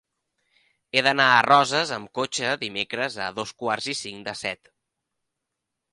He d'anar a Roses amb cotxe dimecres a dos quarts i cinc de set.